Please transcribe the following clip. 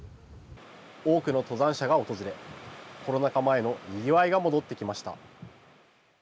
多くの登山者が訪れ、コロナ禍前のにぎわいが戻ってきました。